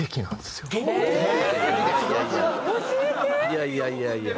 いやいやいやいや。